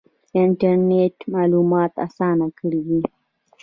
انټرنیټ معلومات اسانه کړي دي